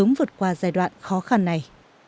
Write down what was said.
sớm vượt qua giai đoạn khó khăn này